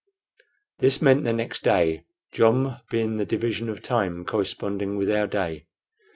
This meant the next day, jom being the division of time corresponding with our day.